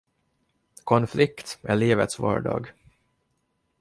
Konflikt är livets vardag.